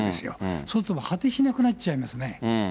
そうすると、果てしなくなっちゃいますね。